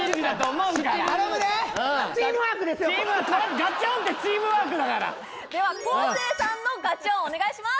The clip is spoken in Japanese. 「ガチョーン」ってチームワークだからでは昴生さんの「ガチョーン」お願いします